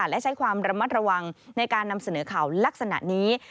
และใช้ความระมัดระวังในการนำเสนอข่าวลักษณะนี้